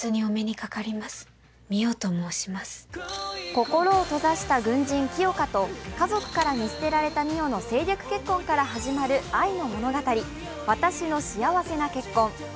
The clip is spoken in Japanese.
心を閉ざした軍人・清霞と家族から見捨てられた美世の政略結婚から始まる愛の物語、「わたしの幸せな結婚」。